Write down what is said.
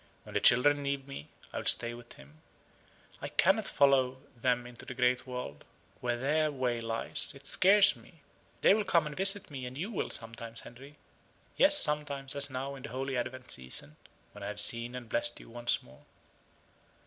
When the children leave me, I will stay with him. I cannot follow them into the great world, where their way lies it scares me. They will come and visit me; and you will, sometimes, Henry yes, sometimes, as now, in the Holy Advent season, when I have seen and blessed you once more."